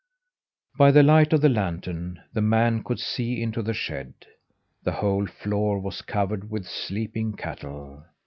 By the light of the lantern the man could see into the shed. The whole floor was covered with sleeping cattle.